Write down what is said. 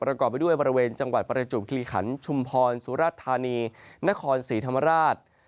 ประกอบไปด้วยบริเวณจังหวัดประจวบคิริขันชุมพรสุรธานีนครศรีธรรมราช